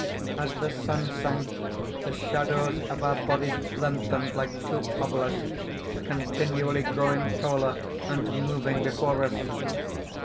As the sun sank, the shadows of our bodies lengthened like two obelisks, continually growing taller, and moving before us.